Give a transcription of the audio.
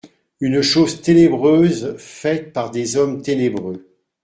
Une chose ténébreuse faite par des hommes ténébreux.